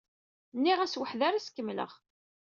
Nniɣ-as weḥd-i ara s-kemmleɣ.